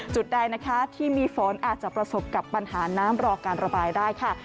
จุดใดนะคะที่มีฝนอาจจะประสบกับปัญหาน้ำรอการระบายได้ค่ะ